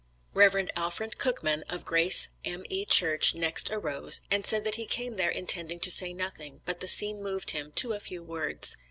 Rev. Alfred Cookman, of Grace M.E. Church, next arose, and said that he came there intending to say nothing, but the scene moved him to a few words.